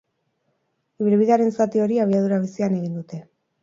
Ibilbidearen zati hori abiadura bizian egin dute.